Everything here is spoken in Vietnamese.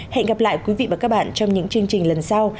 hẹn gặp lại quý vị và các bạn trong những chương trình lần sau